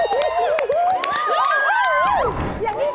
ขอบคุณครับ